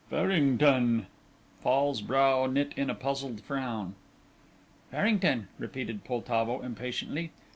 "Farrington!" Fall's brow knit in a puzzled frown. "Farrington," repeated Poltavo, impatiently.